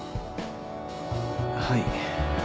はい。